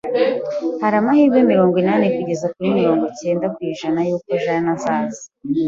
Hari amahirwe mirongo inani kugeza kuri mirongo cyenda ku ijana yuko Jane azaza.